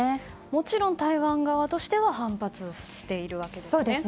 もちろん台湾側は反発しているわけですよね。